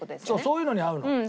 そういうのに合うの。